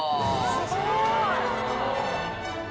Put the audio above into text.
すごい！